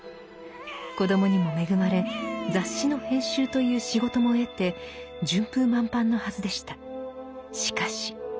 子供にも恵まれ雑誌の編集という仕事も得て順風満帆のはずでした。